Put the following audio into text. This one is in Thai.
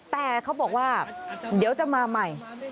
แต่เขาบอกว่าเดี๋ยวจะมาใหม่